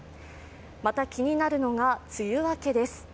また気になるのが梅雨明けです。